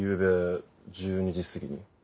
昨夜１２時すぎに。